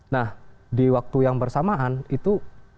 nah di waktu yang bersamaan itu